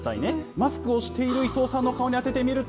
マスクをしている伊東さんの顔に当ててみると。